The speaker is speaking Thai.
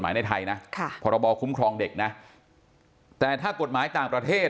ในไทยนะค่ะพรบคุ้มครองเด็กนะแต่ถ้ากฎหมายต่างประเทศ